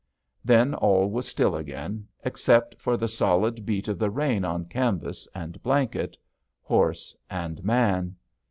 Then all was still again, except for the solid beat of the rain on canvas and blanket, horse and man.